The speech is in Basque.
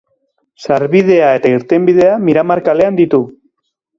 Sarbidea eta irtenbidea Miramar kalean ditu.